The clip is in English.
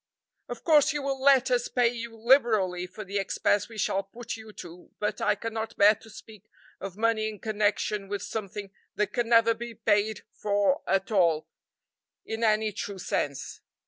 "Of course you will let us pay you liberally for the expense we shall put you to, but I cannot bear to speak of money in connection with something that can never be paid for at all, in any true sense."